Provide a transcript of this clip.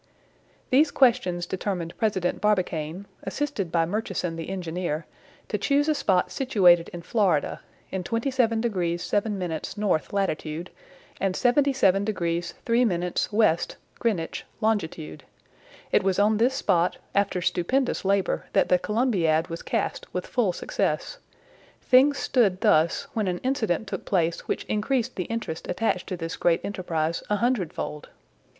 These questions determined President Barbicane, assisted by Murchison the engineer, to choose a spot situated in Florida, in 27° 7′ North latitude, and 77° 3′ West (Greenwich) longitude. It was on this spot, after stupendous labor, that the Columbiad was cast with full success. Things stood thus, when an incident took place which increased the interest attached to this great enterprise a hundredfold.